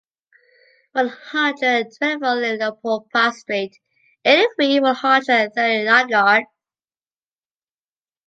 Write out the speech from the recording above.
One hundred and twenty-four Léo Poupart street, eighty-three, one hundred and thirty, La Garde.